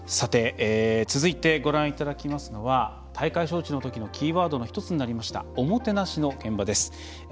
続いて、ご覧いただきますのは大会招致のときのキーワードの１つになりましたおもてなしの現場です。